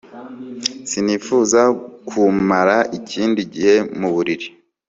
Sinifuzaga kumara ikindi gihe muburiri